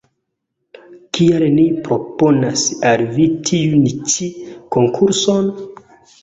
Kial ni proponas al vi tiun ĉi konkurson?